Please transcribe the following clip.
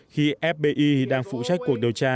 khi fbi đang phụ trách cuộc điều tra